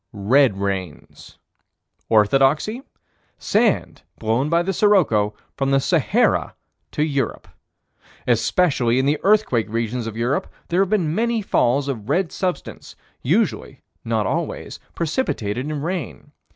Red rains. Orthodoxy: Sand blown by the sirocco, from the Sahara to Europe. Especially in the earthquake regions of Europe, there have been many falls of red substance, usually, but not always, precipitated in rain.